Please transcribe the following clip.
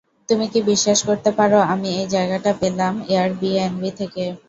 তুমি কি বিশ্বাস করতে পারো আমি এই জায়গাটা পেলাম এয়ারবিএনবি থেকে?